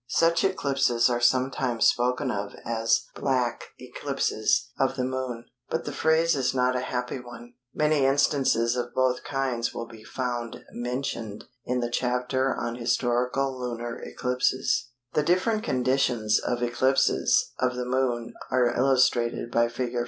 Such eclipses are sometimes spoken of as "black" eclipses of the Moon, but the phrase is not a happy one. Many instances of both kinds will be found mentioned in the chapter on historical lunar eclipses. [Illustration: FIG. 14.—CONDITIONS OF ECLIPSES OF THE MOON.] The different conditions of eclipses of the Moon are illustrated by Fig.